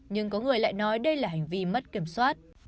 nhưng có người lại nói đây là hành vi mất kiểm soát